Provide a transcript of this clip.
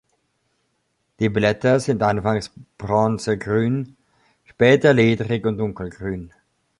Die Blätter sind anfangs bronzegrün, später ledrig und dunkelgrün.